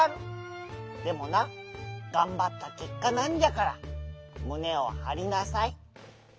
でもながんばったけっかなんじゃからむねをはりなさい！